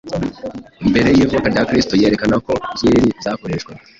mbere y’ivuka rya Kristu, yerekana ko byeri zakoreshwaga